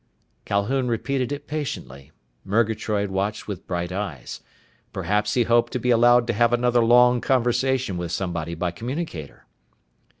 Calhoun repeated it patiently. Murgatroyd watched with bright eyes. Perhaps he hoped to be allowed to have another long conversation with somebody by communicator.